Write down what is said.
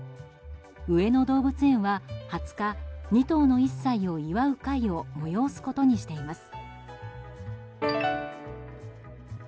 上野動物園は２０日２頭の１歳を祝う会を催すことにしています。